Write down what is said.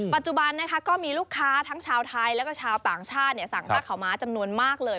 ปัจจุบันนะคะก็มีลูกค้าทั้งชาวไทยแล้วก็ชาวต่างชาติสั่งผ้าขาวม้าจำนวนมากเลย